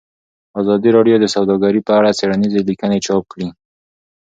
ازادي راډیو د سوداګري په اړه څېړنیزې لیکنې چاپ کړي.